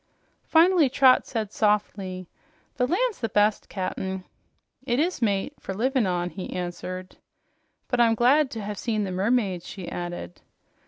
Finally Trot said softly, "The land's the best, Cap'n." "It is, mate, for livin' on," he answered. "But I'm glad to have seen the mermaids," she added..